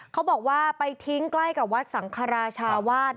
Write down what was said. เขาบอกว่าไปทิ้งใกล้กับวัดสังคราชาวาส